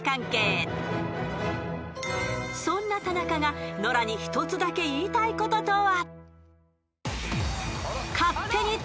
［そんな田中がノラに１つだけ言いたいこととは？］